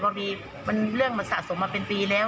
เพราะมันเรื่องสะสมมาเป็นปีแล้ว